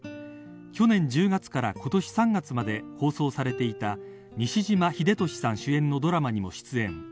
去年１０月から今年３月まで放送されていた西島秀俊さん主演のドラマにも出演。